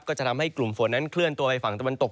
ก็จะทำให้กลุ่มฝนนั้นเคลื่อนตัวไปฝั่งตะวันตก